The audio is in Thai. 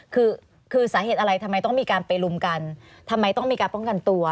คือคือสาเหตุอะไรทำไมต้องมีการไปลุมกันทำไมต้องมีการป้องกันตัว